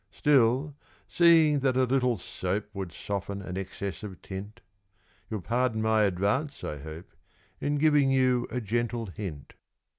Still, seeing that a little soap Would soften an excess of tint, You'll pardon my advance, I hope, In giving you a gentle hint.